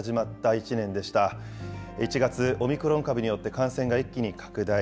１月、オミクロン株によって感染が一気に拡大。